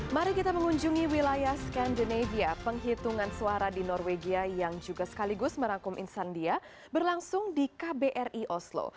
mari kita mengunjungi wilayah skandenevia penghitungan suara di norwegia yang juga sekaligus merangkum insandia berlangsung di kbri oslo